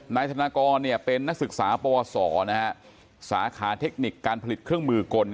นายธนากรเป็นนักศึกษาปวสสาขาเทคนิคการผลิตเครื่องมือกล